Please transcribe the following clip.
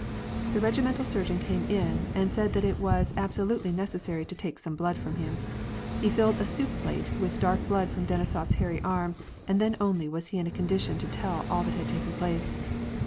The regimental surgeon came in and said that it was abso lutely necessary to take some blood from him. He Ulled a soup plate with dark blood from Denisof's hairy arm, and then only was he in a condition to tell all that had taken place.